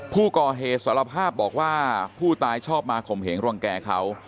ผู้ก่อเหตุสารภาพบอกว่าผู้ตายชอบมาข่มเหงรังแก่เขา